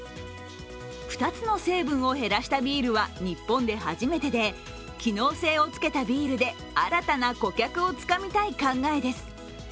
２つの成分を減らしたビールは日本で初めてで機能性をつけたビールで新たな顧客をつかみたい考えです。